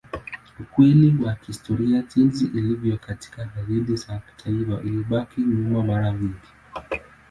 Ukweli wa kihistoria jinsi ilivyo katika hadithi za kitaifa ilibaki nyuma mara nyingi.